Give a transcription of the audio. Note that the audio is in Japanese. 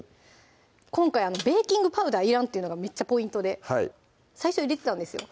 今回ベーキングパウダーいらんっていうのがめっちゃポイントで最初入れてたんですよ